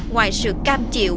ngoài sự cam chịu